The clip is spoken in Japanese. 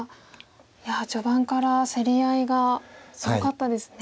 いや序盤から競り合いがすごかったですね。